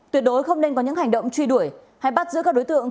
tuyệt đối không nên có những hành động truy đuổi hay bắt giữ các đối tượng